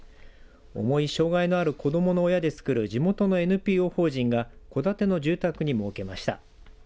重い障害のある子どもの親でつくる地元のＮＰＯ法人が戸建ての住宅に設けました。